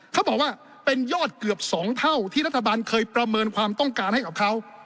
เขาบอกว่าเป็นยอดเกือบ๒เท่าที่รัฐบาลเคยประเมินความต้องการให้กับเขา